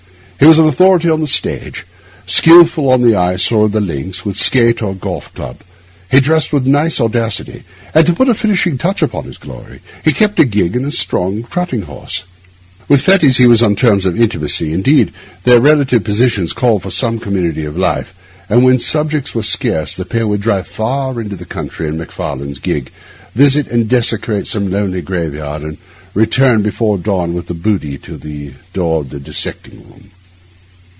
He was an authority on the stage, skilful on the ice or the links with skate or golf club; he dressed with nice audacity, and, to put the finishing touch upon his glory, he kept a gig and a strong trotting horse. With Fettes he was on terms of intimacy; indeed, their relative positions called for some community of life; and when subjects were scarce the pair would drive far into the country in Macfarlane's gig, visit and desecrate some lonely graveyard, and return before dawn with their booty to the door of the dissecting room.